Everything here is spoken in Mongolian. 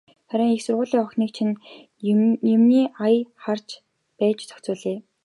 Харин их сургуулийн охиныг чинь юмны ая харж байж зохицуулъя.